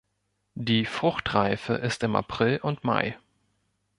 Die Fruchtreife ist im April und Mai.